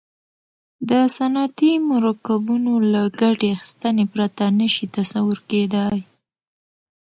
د صنعتي مرکبونو له ګټې اخیستنې پرته نه شي تصور کیدای.